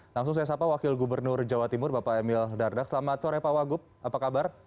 langsung saya sapa wakil gubernur jawa timur bapak emil dardak selamat sore pak wagup apa kabar